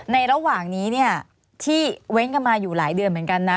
ระหว่างนี้เนี่ยที่เว้นกันมาอยู่หลายเดือนเหมือนกันนะ